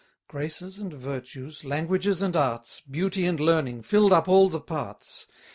30 Graces and virtues, languages and arts, Beauty and learning, fill'd up all the parts.